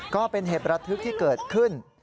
ก็เป็นเหตุระทึกที่เกิดขึ้น